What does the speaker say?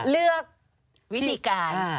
เลือกวิธีการ